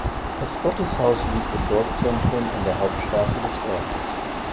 Das Gotteshaus liegt im Dorfzentrum an der Hauptstraße des Ortes.